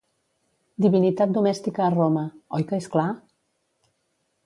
Divinitat domèstica a Roma, oi que és clar?